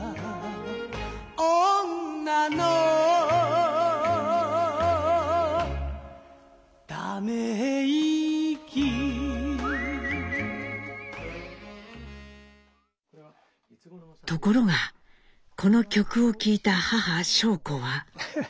「女のためいき」ところがこの曲を聴いた母尚子は。